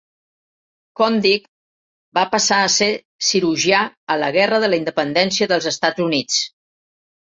Condict va passar a ser cirurgià a la Guerra de la Independència dels Estats Units.